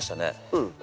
うん。